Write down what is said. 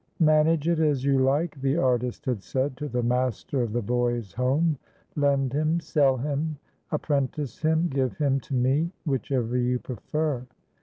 "MANAGE it as you like," the artist had said to the master of the Boys' Home. "Lend him, sell him, apprentice him, give him to me,—whichever you prefer.